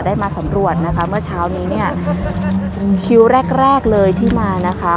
ได้มาสำรวจนะคะเมื่อเช้านี้เนี่ยคิวแรกแรกเลยที่มานะคะ